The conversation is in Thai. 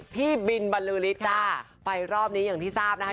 พี่บินบรรลือฤทธิ์จ้าไปรอบนี้อย่างที่ทราบนะคะ